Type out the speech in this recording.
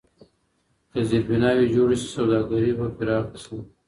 که زیربناوي جوړي سي سوداګري به پراخه سي.